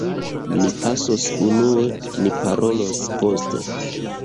Ni pasos unue; ni parolos poste.